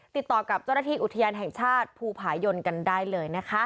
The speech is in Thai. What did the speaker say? ติดต่อกับเจ้าหน้าที่อุทยานแห่งชาติภูผายนกันได้เลยนะคะ